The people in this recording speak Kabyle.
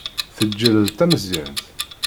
Teǧǧel d tameẓyant.